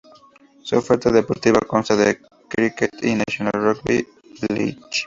Su oferta deportiva consta de críquet y National Rugby League.